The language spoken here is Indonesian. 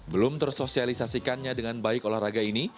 belum tersosialisasikannya dengan baik olahraga ini